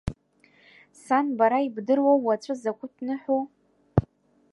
Сан, бара ибдыруоу, уаҵәы закәытә ныҳәоу?